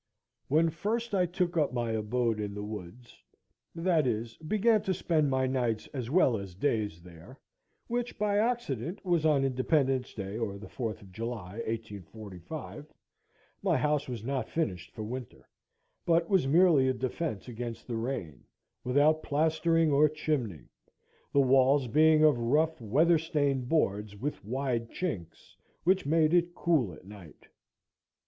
When first I took up my abode in the woods, that is, began to spend my nights as well as days there, which, by accident, was on Independence Day, or the Fourth of July, 1845, my house was not finished for winter, but was merely a defence against the rain, without plastering or chimney, the walls being of rough, weather stained boards, with wide chinks, which made it cool at night.